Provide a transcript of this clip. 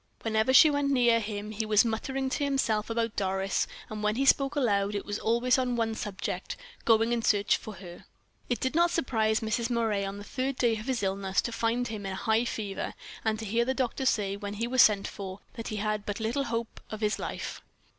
Whenever she went near him he was muttering to himself about Doris; and when he spoke aloud, it was always on one subject going in search of her. It did not surprise Mrs. Moray, on the third day of his illness, to find him in a high fever, and to hear the doctor say, when he was sent for, that he had but little hope of his life.